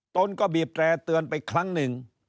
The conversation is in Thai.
ตนก็บีบแตร่เตือนไปครั้งหนึ่ง